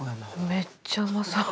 めっちゃうまそう。